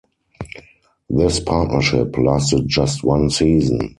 This partnership lasted just one season.